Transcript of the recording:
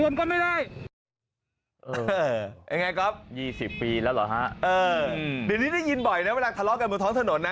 เดี๋ยวนี้ได้ยินบ่อยนะเวลาทะเลาะกันบนท้องถนนนะ